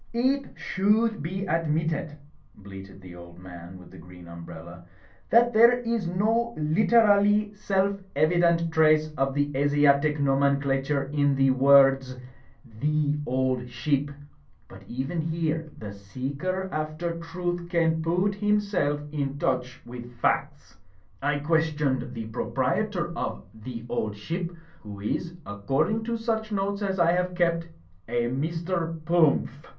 "It shood be admitted —^" bleated the old man with the green umbrella, "that there is no literally self evi i8 THE FLYING INN dent trace of the Asiatic nomenclature in the words 'the old ship/ But even here the see eeker after Truth can poot himself in touch with facts. I questioned the proprietor of 'The Old Ship* who is, according to such notes as I have kept, a Mr. Pumph."